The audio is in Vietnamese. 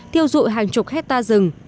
thiêu dội hàng chục hectare rừng